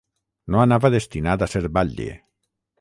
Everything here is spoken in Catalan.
No anava destinat a ser batlle.